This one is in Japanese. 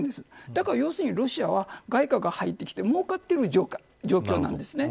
だから要するにロシアは、外貨が入ってきて儲かっている状況なんですね。